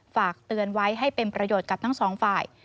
ฝากเตือนไว้ให้เป็นประโยชน์กับทั้งสองฝ่าย